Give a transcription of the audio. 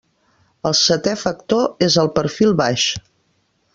El seté factor és el perfil baix.